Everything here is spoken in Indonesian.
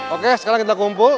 oke sekarang kita kumpul